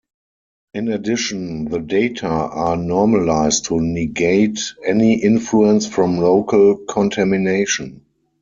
In addition, the data are normalized to negate any influence from local contamination.